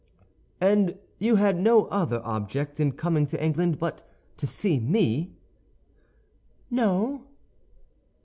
"And you had no other object in coming to England but to see me?" "No."